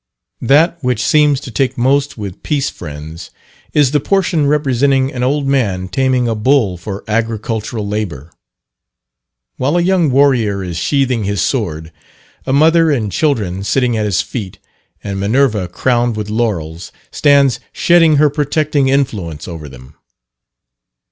That which seems to take most with Peace Friends, is the portion representing an old man taming a bull for agricultural labour; while a young warrior is sheathing his sword, a mother and children sitting at his feet, and Minerva crowned with laurels, stands shedding her protecting influence over them.